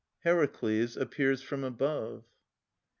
Heracles appears from above.